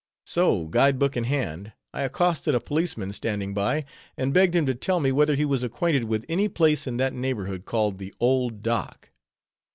So, guide book in hand, I accosted a policeman standing by, and begged him to tell me whether he was acquainted with any place in that neighborhood called the _"Old Dock."